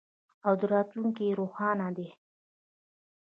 او راتلونکی یې روښانه دی.